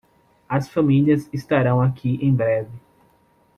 As famílias estarão aqui em breve.